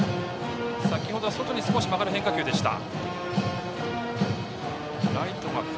先程は外に少し曲がる変化球でした。